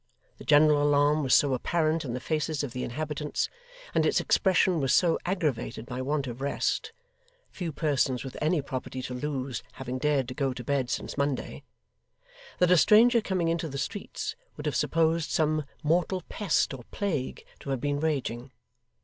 The general alarm was so apparent in the faces of the inhabitants, and its expression was so aggravated by want of rest (few persons, with any property to lose, having dared go to bed since Monday), that a stranger coming into the streets would have supposed some mortal pest or plague to have been raging.